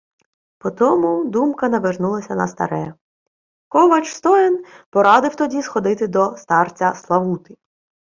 По тому думка навернулася на старе. Ковач Стоян порадив тоді сходити до старця Славути.